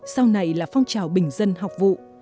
sau này là phong trào bình dân học vụ